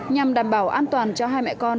nhằm đảm bảo an toàn cho hai mẹ con